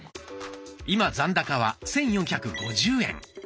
今残高は１，４５０円。